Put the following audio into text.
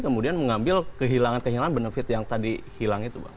kemudian mengambil kehilangan kehilangan benefit yang tadi hilang itu pak